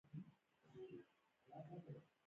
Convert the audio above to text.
هلمند سیند د افغانستان د چاپیریال د مدیریت لپاره مهم دي.